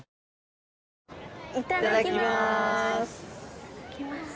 いただきます！